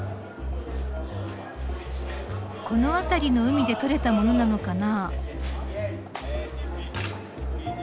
この辺りの海で取れた物なのかな。